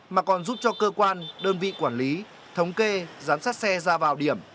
mà còn giúp cho cơ quan đơn vị quản lý thống kê giám sát xe ra vào điểm